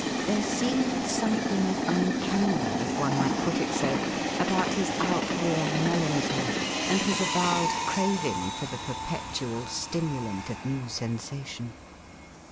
There seemed something uncanny, if one might put it so, about his outworn melancholy, and his avowed craving for the perpetual stimulant of new sensation.